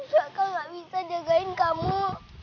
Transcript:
kakak gak bisa jagain kamu